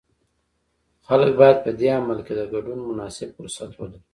خلک باید په دې عمل کې د ګډون مناسب فرصت ولري.